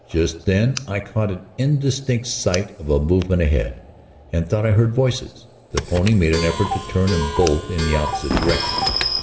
Just then I caught an indistinct sight of a movement ahead, and thought I heard voices; the pony made an effort to turn and bolt in the opposite direction.